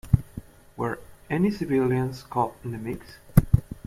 Were any civilians caught in the mix?